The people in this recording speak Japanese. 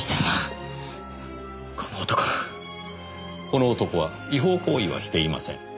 この男は違法行為はしていません。